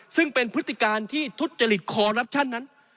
ซึ่งเป็นพฤติการที่ทุจริตคอรับชันนั้น